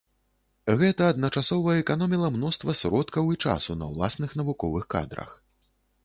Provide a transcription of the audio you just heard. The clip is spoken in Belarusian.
Гэта адначасова эканоміла мноства сродкаў і часу на ўласных навуковых кадрах.